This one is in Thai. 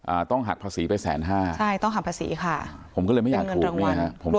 อ่าต้องหักภาษีไปแสนห้าใช่ต้องหักภาษีค่ะผมก็เลยไม่อยากถูกเป็นเงินรางวัล